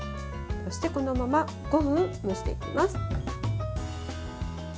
そしてこのまま５分蒸していきます。